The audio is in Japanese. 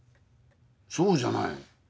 そうじゃない。